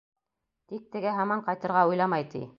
Тик теге һаман ҡайтырға уйламай, ти.